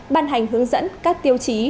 ban hành hướng dẫn các tiêu chí